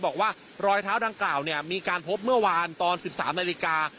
บอกว่ารอยเท้าดังกล่าวมีการพบเมื่อวานตอน๑๓นาฬิกา